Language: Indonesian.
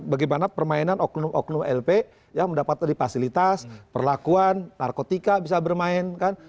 bagaimana permainan oknum oknum lp ya mendapatkan fasilitas perlakuan narkotika bisa bermain kan